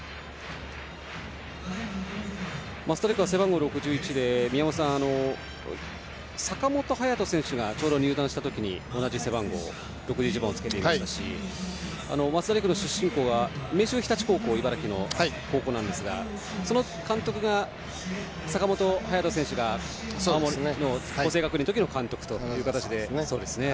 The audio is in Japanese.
増田陸は背番号６１で宮本さん、坂本勇人選手が入団したときに、ちょうど同じ背番号の６１番を着けていましたし増田陸の出身校は明秀日立高校という茨城の高校なんですがその監督が坂本勇人選手が青森の光星学院のときの監督ということですね。